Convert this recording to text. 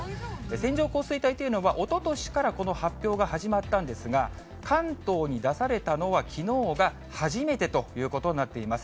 線状降水帯というのは、おととしからこの発表が始まったんですが、関東に出されたのはきのうが初めてということになっています。